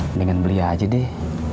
mendingan beli aja deh